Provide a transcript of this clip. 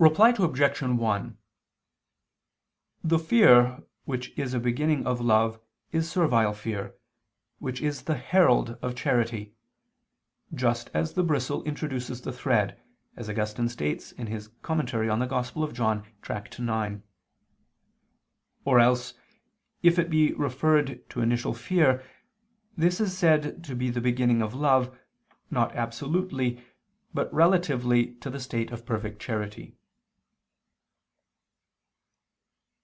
Reply Obj. 1: The fear which is a beginning of love is servile fear, which is the herald of charity, just as the bristle introduces the thread, as Augustine states (Tract. ix in Ep. i Joan.). Or else, if it be referred to initial fear, this is said to be the beginning of love, not absolutely, but relatively to the state of perfect charity.